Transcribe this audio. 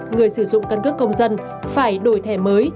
người sử dụng căn cước công dân phải đổi thẻ mới